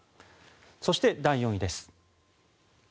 そして、第４位です。